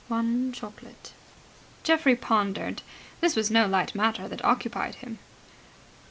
"One chocolate." Geoffrey pondered. This was no light matter that occupied him.